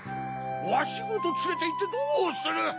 わしごとつれていってどうする！